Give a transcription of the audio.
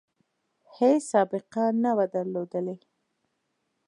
هیڅ سابقه نه وه درلودلې.